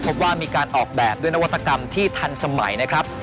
พบว่ามีการออกแบบด้วยนวัตกรรมที่ทันสมัยนะครับ